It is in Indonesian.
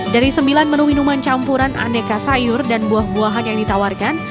dari sembilan menu minuman campuran aneka sayur dan buah buahan yang ditawarkan